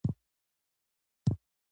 فیوډال مالکانو له بزګرانو نغدې پیسې غوښتلې.